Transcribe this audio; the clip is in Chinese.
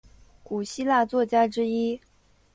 古希腊作家之一。